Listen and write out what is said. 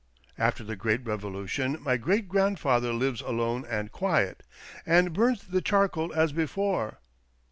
After the great Revolution, my great grandfather lives alone and quiet, and burns the charcoal as before.